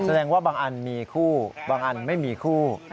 แสดงว่าบางอันมีคู่บางอันไม่มีคู่